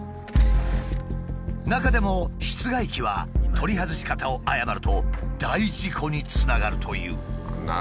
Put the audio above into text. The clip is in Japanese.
中でも室外機は取り外し方を誤ると大事故につながるという。